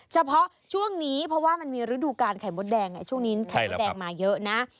เฉพาะช่วงนี้เพราะว่ามันมีฤดูการไข่มดแดงไงช่วงนี้ไข่มดแดงมาเยอะนะ